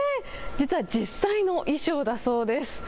実は実際の衣装だそうです。